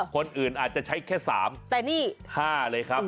คนอื่นอาจจะใช้แค่๓แต่นี่๕เลยครับ